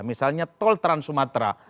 misalnya tol trans sumatera